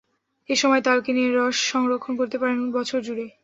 এ সময় তাল কিনে এর রস সংরক্ষণ করতে পারেন বছরজুড়ে।